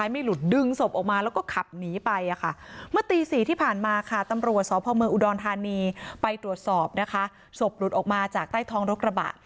มาค่ะตำรวจศพเมืองอุดรธานีไปตรวจสอบนะคะศพหลุดออกมาจากใต้ทองรกระบะ